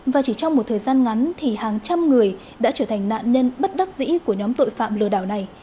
và chỉ trong một thời gian ngắn thì hàng trăm người đã trở thành nạn nhân bất đắc dĩ của nhóm tội phạm lừa đảo này